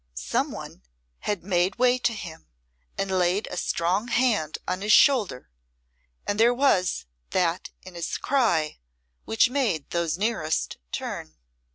Someone had made way to him and laid a strong hand on his shoulder, and there was that in his cry which made those nearest turn.